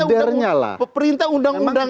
tapi ini sih perintah undang undang